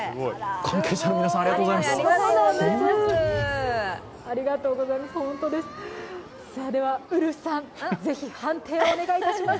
関係者の皆さん、ありがとうございます！